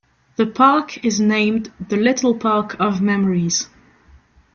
The park is named The Little Park of Memories.